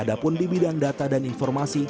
ada pun di bidang data dan informasi